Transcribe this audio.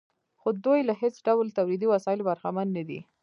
خو دوی له هېڅ ډول تولیدي وسایلو برخمن نه دي